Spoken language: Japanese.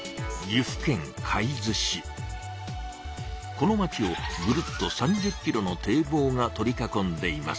この町をぐるっと３０キロの堤防が取り囲んでいます。